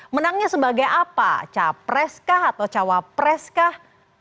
menangnya sebagai apa capres kah atau cawapres kah